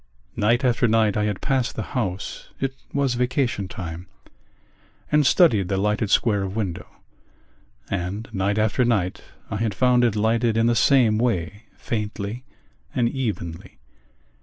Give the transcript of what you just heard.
Night after night I had passed the house (it was vacation time) and studied the lighted square of window: and night after night I had found it lighted in the same way, faintly and evenly.